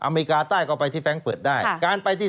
สวัสดีค่ะต้อนรับคุณบุษฎี